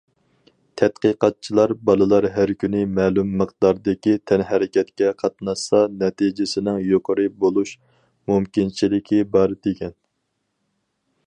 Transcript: تەتقىقاتچىلار بالىلار ھەر كۈنى مەلۇم مىقداردىكى تەنھەرىكەتكە قاتناشسا نەتىجىسىنىڭ يۇقىرى بولۇش مۇمكىنچىلىكى بار، دېگەن.